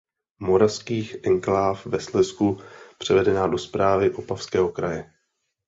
Moravských enkláv ve Slezsku převedena do správy Opavského kraje.